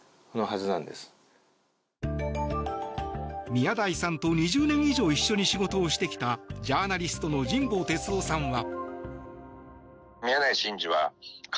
宮台さんと２０年以上一緒に仕事をしてきたジャーナリストの神保哲生さんは。